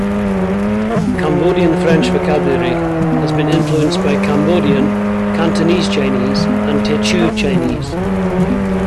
Cambodian French vocabulary has been influenced by Cambodian, Cantonese Chinese, and Teochew Chinese.